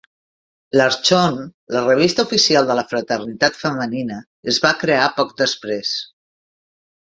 L'Archon, la revista oficial de la fraternitat femenina es va crear poc després.